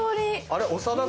あれ長田君。